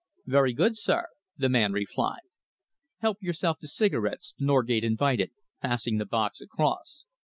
"Very good, sir," the man replied. "Help yourself to cigarettes," Norgate invited, passing the box across.